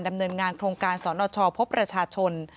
ดำเนินงานโครงการสนชพบประชาชน